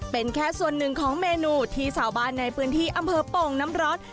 เป็นแค่ส่วนหนึ่งของเมนูที่ชาวบ้านในพื้นที่อำเภอโป่งน้ำร้อน